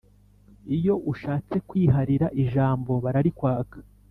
iyo ushatse kwiharira ijambo bararikwaka